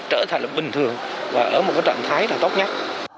trở thành là bình thường và ở một cái trạng thái là tốt nhất